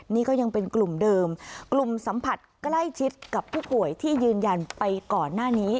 นี่ก็ยังเป็นกลุ่มเดิมกลุ่มสัมผัสใกล้ชิดกับผู้ป่วยที่ยืนยันไปก่อนหน้านี้